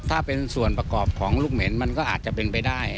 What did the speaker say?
ถ้าเป็นส่วนประกอบของลูกเหม็นมันก็อาจจะเป็นไปได้